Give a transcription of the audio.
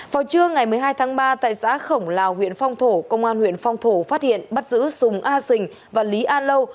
vào trưa ngày một mươi hai tháng ba tại xã khổng lào huyện phong thổ công an huyện phong thổ phát hiện bắt giữ sùng a sình và lý a lâu